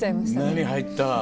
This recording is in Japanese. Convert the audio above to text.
何入った？